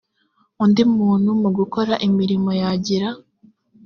undi muntu mu gukora imirimo yagira